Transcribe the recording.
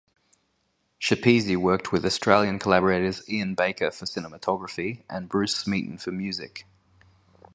Schepisi worked with Australian collaborators Ian Baker for cinematography and Bruce Smeaton for music.